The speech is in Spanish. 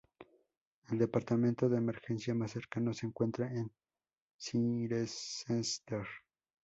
El Departamento de Emergencia más cercano se encuentra en Cirencester.